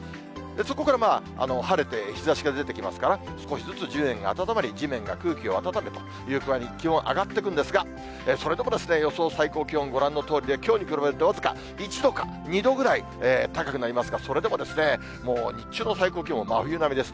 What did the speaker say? そこから晴れて、日ざしが出てきますから、少しずつ地面が温まり、地面が空気を温めという具合に気温は上がっていくんですが、それでも予想最高気温、ご覧のとおりで、きょうに比べると、僅か１度か、２度ぐらい高くなりますが、それでももう日中の最高気温も真冬並みです。